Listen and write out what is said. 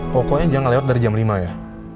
pokoknya jangan lewat dari jam lima ya